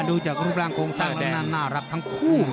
ดูจากรูปร่างโครงสร้างแล้วน่ารักทั้งคู่